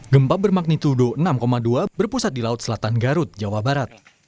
gempa bermagnitudo enam dua berpusat di laut selatan garut jawa barat